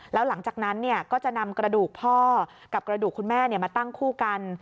แล้วหลังจากนั้นก็จะนำกระดูกพ่อกับกระดูกคุณแม่มาตั้งคู่กัน